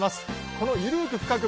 この「ゆるく深く！